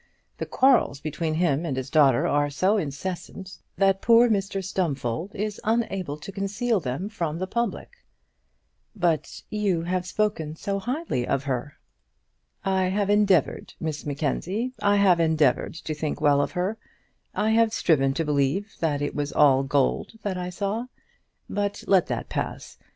The quarrels between him and his daughter are so incessant that poor Mr Stumfold is unable to conceal them from the public." "But you have spoken so highly of her." "I have endeavoured, Miss Mackenzie I have endeavoured to think well of her. I have striven to believe that it was all gold that I saw. But let that pass.